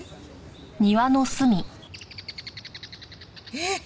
えっ？